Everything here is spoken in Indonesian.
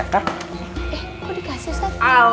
eh kok dikasih ustadz